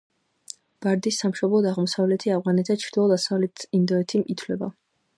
ბარდის სამშობლოდ აღმოსავლეთი ავღანეთი და ჩრდილო-დასავლეთი ინდოეთი ითვლება.